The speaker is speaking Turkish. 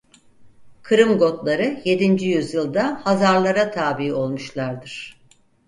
Kırım Gotları yedinci yüzyılda Hazarlara tabi olmuşlardır.